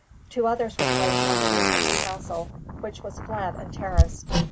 Two others were placed on the roof of the castle, which was flat and terraced.